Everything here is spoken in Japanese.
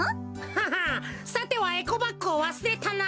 ははさてはエコバッグをわすれたな？